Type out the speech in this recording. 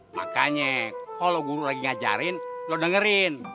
makanya kalau guru lagi ngajarin lo dengerin